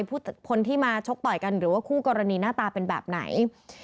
คนที่มาชกต่อยกันหรือว่าคู่กรณีหน้าตาเป็นแบบไหน